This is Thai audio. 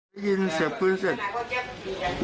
ได้ยินเสียงปืนเสร็จ